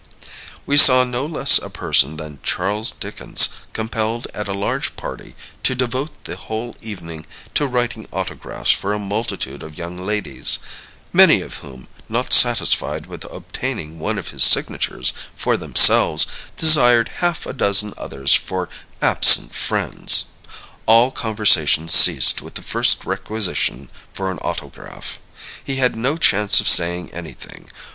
We saw no less a person than Charles Dickens compelled at a large party to devote the whole evening to writing autographs for a multitude of young ladies many of whom, not satisfied with obtaining one of his signatures for themselves, desired half a dozen others for "absent friends." All conversation ceased with the first requisition for an autograph. He had no chance of saying anything.